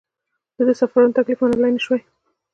ده د سفرونو تکلیف منلای نه شوای.